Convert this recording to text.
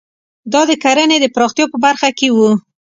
دا د کرنې د پراختیا په برخه کې وو.